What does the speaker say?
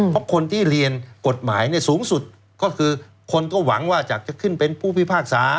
เพราะคนที่เรียนกฎหมายสูงสุดก็คือคนก็หวังว่าอยากจะขึ้นเป็นผู้พิพากษา